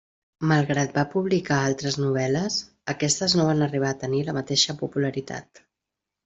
Malgrat va publicar altres novel·les, aquestes no van arribar a tenir la mateixa popularitat.